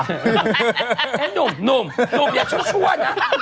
หนุ่มหนุ่มอย่าชั่วนะ